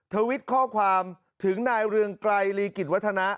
ทวิตข้อความถึงนายเรืองไกรลีกิจวัฒนะ